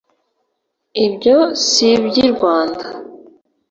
ibyo si iby'i rwanda